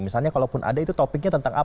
misalnya kalau pun ada itu topiknya tentang apa